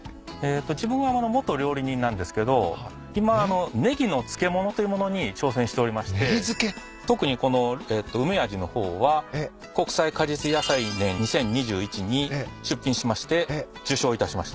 自分は元料理人なんですけど今ネギの漬物というものに挑戦しておりまして特にこの梅味の方は国際果実野菜年２０２１に出品しまして受賞いたしました。